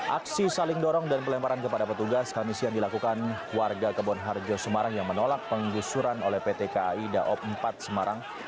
aksi saling dorong dan pelemparan kepada petugas kamis yang dilakukan warga kebon harjo semarang yang menolak penggusuran oleh pt kai daob empat semarang